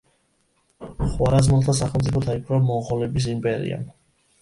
ხვარაზმელთა სახელმწიფო დაიპყრო მონღოლების იმპერიამ.